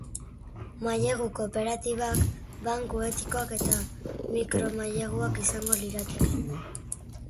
Mailegu kooperatibak, banku etikoak eta mikro maileguak izango lirateke.